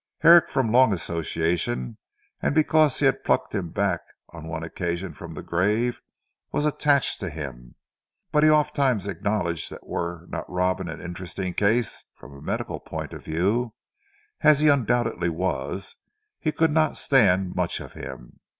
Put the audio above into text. Herrick from long association, and because he had plucked him back on one occasion from the grave, was attached to him. But he oftentimes acknowledged that were not Robin an interesting "case" from a medical point of view, as he undoubtedly was, he could not stand much of him.